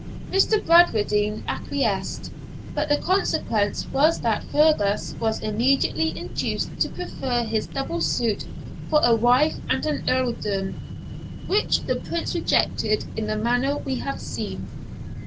Mr. Bradwardine acquiesced; but the consequence was that Fergus was immediately induced to prefer his double suit for a wife and an earldom, which the Prince rejected in the manner we have seen.